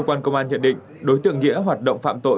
cơ quan công an nhận định đối tượng nghĩa hoạt động phạm tội